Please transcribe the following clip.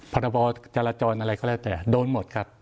พรบจราจรอะไรก็แล้วแต่โดนหมดครับ